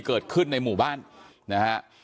เกิดขึ้นในหมู่บ้านนะฮะ